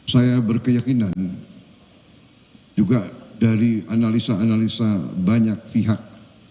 saya berkeyakinan juga dari analisa analisa banyak pihak